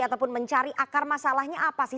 ataupun mencari akar masalahnya apa sih